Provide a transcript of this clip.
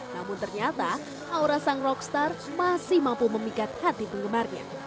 namun ternyata aura sang rockstar masih mampu memikat hati penggemarnya